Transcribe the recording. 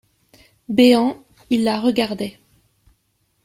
Béant, il la regardait.